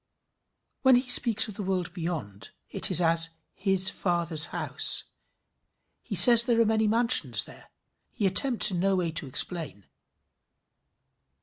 When he speaks of the world beyond, it is as his Father's house. He says there are many mansions there. He attempts in no way to explain.